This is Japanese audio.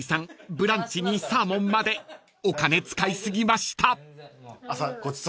ブランチにサーモンまでお金使い過ぎました］